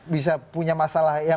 bisa punya masalah yang